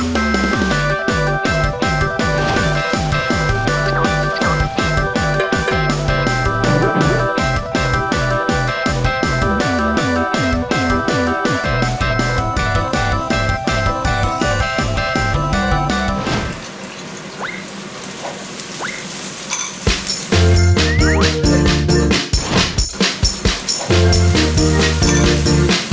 นี่คือ๕เมนูกะเพราไม่สิ้นคิด